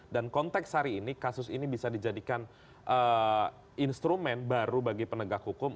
dan konteks hari ini kasus ini bisa dijadikan instrumen baru bagi penegak hukum